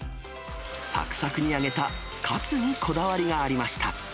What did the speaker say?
さくさくに揚げたカツにこだわりがありました。